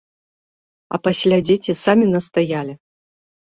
А пасля дзеці самі настаялі!